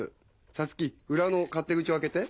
サツキ裏の勝手口を開けて。